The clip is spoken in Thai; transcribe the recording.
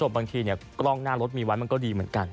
บางทีประกอบกล้องหน้ามีรถมีวันก็ดีเหมือนกัน